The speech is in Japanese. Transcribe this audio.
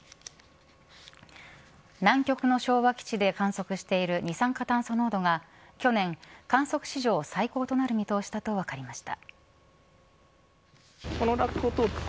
南極の昭和基地で観測している二酸化炭素濃度が去年観測史上最高となる見通しだと分かりました。